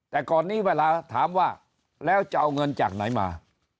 แต่ก่อนนี้เวลาถามว่าแล้วจะเอาเงินจากไหนมา